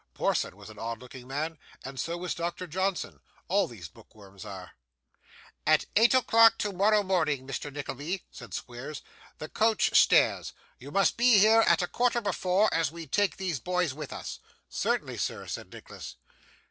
Porson was an odd looking man, and so was Doctor Johnson; all these bookworms are.' 'At eight o'clock tomorrow morning, Mr. Nickleby,' said Squeers, 'the coach starts. You must be here at a quarter before, as we take these boys with us.' 'Certainly, sir,' said Nicholas.